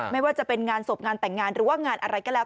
ไม่ว่าจะเป็นงานศพงานแต่งงานหรือว่างานอะไรก็แล้ว